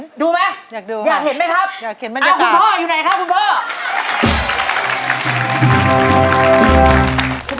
อยากดูไหมอยากเห็นไหมครับคุณพ่ออยู่ไหนครับคุณพ่อ